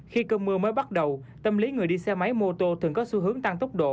khi cơn mưa mới bắt đầu tâm lý người đi xe máy mô tô thường có xu hướng tăng tốc độ